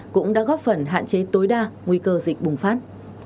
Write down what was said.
cũng đã góp phần hạn chế tối đa nguy cơ dịch bùng phát